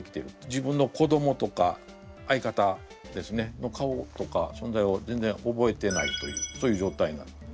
自分の子どもとか相方の顔とか存在を全然覚えてないというそういう状態なんですね。